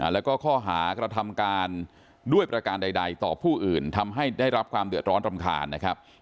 แล้วก็ข้อหากระทำการด้วยประการใดต่อผู้อื่นทำให้ได้รับความเดือดร้อนรำคาญนะครับ